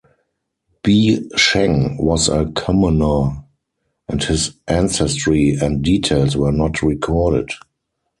Bi Sheng was a commoner, and his ancestry and details were not recorded.